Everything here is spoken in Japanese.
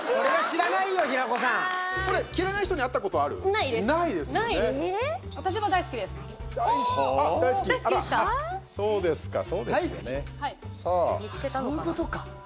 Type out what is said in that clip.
あっ、そういうことか。